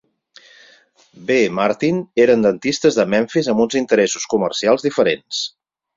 B. Martin eren dentistes de Memphis amb uns interessos comercials diferents.